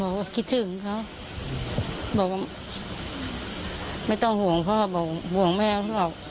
บอกว่าคิดถึงเขาบอกว่าไม่ต้องห่วงพ่อห่วงแม่ของเรา